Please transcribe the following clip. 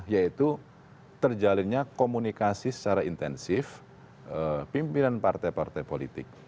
yaitu terjalinnya komunikasi secara intensif pimpinan partai partai politik